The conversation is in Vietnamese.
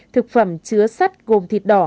thực phẩm chứa sắt gồm thịt đỏ